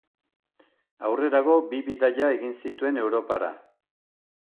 Aurrerago bi bidaia egin zituen Europara.